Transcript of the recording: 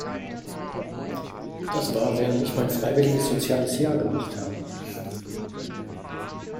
Das war während ich mein freiwilliges soziales Jahr gemacht habe.